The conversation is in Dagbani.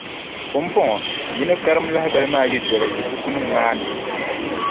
Pumpɔŋɔ, yi ni karim lahibali maa yi toli yi bukunima maa ni.